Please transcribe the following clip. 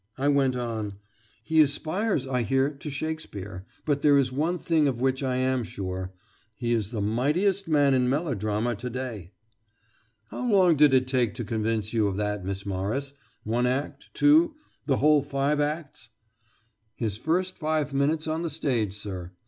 I went on: "He aspires, I hear, to Shakespeare, but there is one thing of which I am sure. He is the mightiest man in melodrama to day!" "How long did it take to convince you of that, Miss Morris? One act two the whole five acts?" "His first five minutes on the stage, sir.